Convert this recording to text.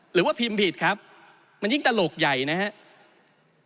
หรือว่าพิมพ์ผิดครับมันยิ่งตลกใหญ่นะครับ